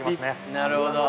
なるほど。